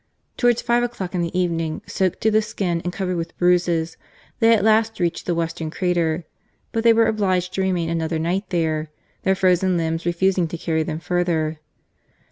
Towards five o'clock in the evening, soaked to the skin, and covered with bruises, they at last reached the western crater. But they were obliged to remain another night there, their frozen limbs refusing to carry them further.